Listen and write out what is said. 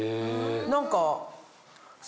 何か。